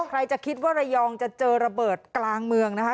ใครจะคิดว่าระยองจะเจอระเบิดกลางเมืองนะคะ